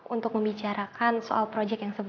untuk membicarakan soal perubahan dengan saya